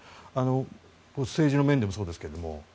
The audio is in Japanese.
政治の面でもそうですけど。